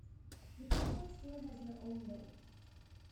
The follower still has her own weight.